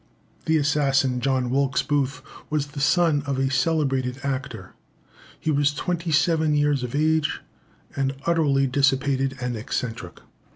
The assassin, John Wilkes Booth, was the son of the celebrated actor. He was twenty seven years of age, and utterly dissipated and eccentric.